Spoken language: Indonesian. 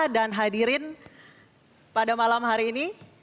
dan hadirin pada malam hari ini